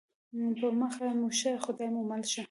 په مخه مو ښه خدای مو مل شه